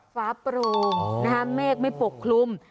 เฮ้าผลูมแม่กไม่ปกคลุม